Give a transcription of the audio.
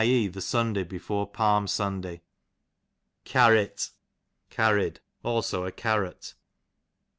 e. the Sunday before Palm Sunday. Carrit, carried; also a carrot.